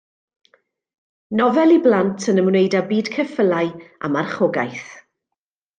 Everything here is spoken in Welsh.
Nofel i blant yn ymwneud â byd ceffylau a marchogaeth.